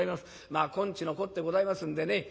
まあ今日のこってございますんでね